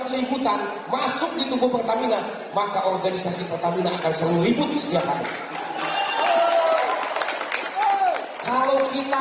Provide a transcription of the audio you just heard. keributan masuk ditumbuh pertamina maka organisasi pertamina akan selalu ribut setiap hari kalau kita